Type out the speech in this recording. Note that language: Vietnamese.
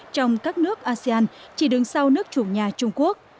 trong các nước asean chỉ đứng sau nước chủ nhà trung quốc